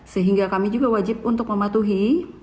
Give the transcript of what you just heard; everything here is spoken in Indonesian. sehingga kami juga wajib untuk mematuhi